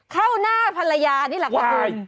เข้าหน้าภรรยานี่แหละค่ะ